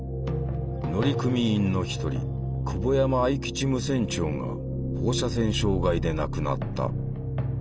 乗組員の一人久保山愛吉無線長が放射線障害で亡くなった。